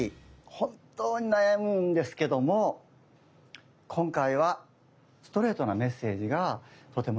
本当に悩むんですけども今回はストレートなメッセージがとてもすてきでした。